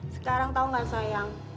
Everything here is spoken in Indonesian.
sekarang tau gak sayang